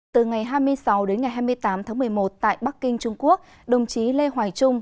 từ ngày hai mươi sáu đến ngày hai mươi tám tháng một mươi một tại bắc kinh trung quốc đồng chí lê hoài trung